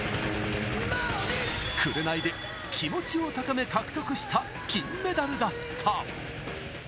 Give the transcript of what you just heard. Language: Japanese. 『紅』で気持ちを高め、獲得した金メダルだった。